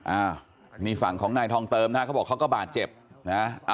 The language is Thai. อ้าวนี่ฝั่งของนายทองเติมนะฮะเขาบอกเขาก็บาดเจ็บนะ